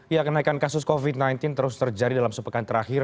ya kenaikan kasus covid sembilan belas terus terjadi dalam sepekan terakhir